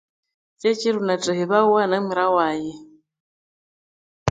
Kyekiro nathahibawa na mwira waghe